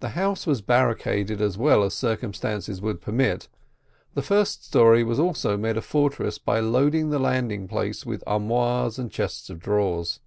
The house was barricaded as well as circumstances would permit; the first story was also made a fortress by loading the landing place with armoires and chests of drawers.